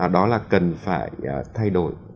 đó là cần phải thay đổi